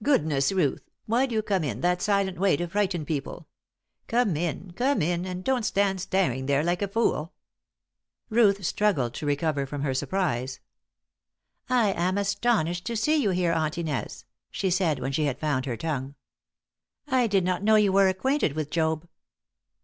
"Goodness, Ruth! Why do you come in that silent way to frighten people? Come in come in, and don't stand staring there like a fool!" Ruth struggled to recover from her surprise. "I am astonished to see you here, Aunt Inez," she said, when she had found her tongue. "I did not know you were acquainted with Job."